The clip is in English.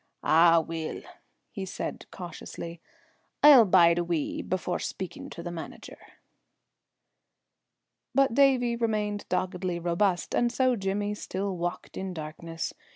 "Ah, weel," he said cautiously, "I'll bide a wee before speaking to the manager." But Davie remained doggedly robust, and so Jimmy still walked in darkness.